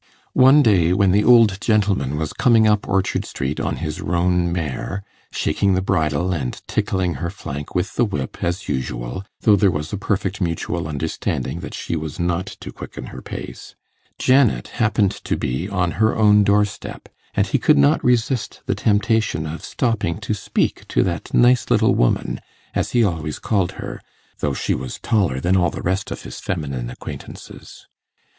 One day, when the old gentleman was coming up Orchard Street on his roan mare, shaking the bridle, and tickling her flank with the whip as usual, though there was a perfect mutual understanding that she was not to quicken her pace, Janet happened to be on her own door step, and he could not resist the temptation of stopping to speak to that 'nice little woman', as he always called her, though she was taller than all the rest of his feminine acquaintances.